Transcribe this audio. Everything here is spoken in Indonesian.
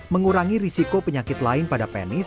mengurangi risiko penyakit lain pada penis